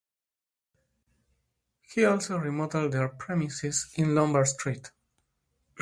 He also remodelled their premises in Lombard Street.